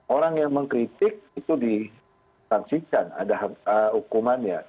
orang yang mengkritik itu disaksikan ada hukumannya